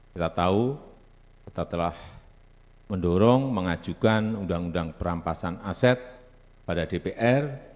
kita tahu kita telah mendorong mengajukan undang undang perampasan aset pada dpr